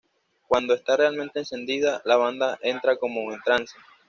Cuando esta realmente encendida, la banda entra como en trance.